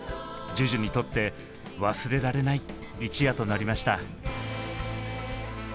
ＪＵＪＵにとって忘れられない一夜となりました。